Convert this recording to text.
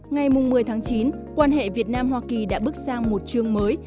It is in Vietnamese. ngày một mươi tháng chín quan hệ việt nam hoa kỳ đã bước sang một chương mới